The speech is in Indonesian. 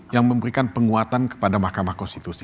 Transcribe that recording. yang memberikan penguatan kepada mahkamah konstitusi